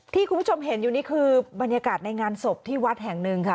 ที่คุณผู้ชมเห็นอยู่นี่คือบรรยากาศในงานศพที่วัดแห่งหนึ่งค่ะ